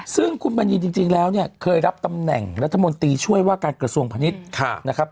ซึ่งคุณบันยินจริงแล้วเคยรับตำแหน่งรัฐมนตรีช่วยว่าการกระทรวงพณิชย์